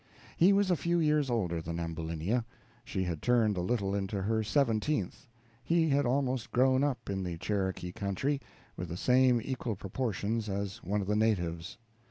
He was a few years older than Ambulinia: she had turned a little into her seventeenth. He had almost grown up in the Cherokee country, with the same equal proportions as one of the natives.